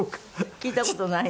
聞いた事ないの？